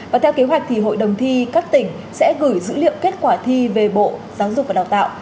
và theo kế hoạch thì hội đồng thi các tỉnh sẽ gửi dữ liệu kết quả thi về bộ giáo dục và đào tạo